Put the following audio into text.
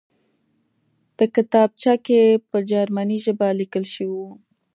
په کتابچه کې په جرمني ژبه لیکل شوي وو